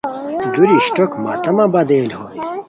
دُوری اشٹوک ماتمہ بدل ہوئے